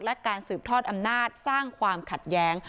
และการสืบทอดอำนาจสร้างความขัดแย้ง